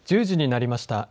１０時になりました。